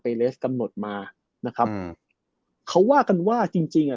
เลสกำหนดมานะครับอืมเขาว่ากันว่าจริงจริงอ่ะ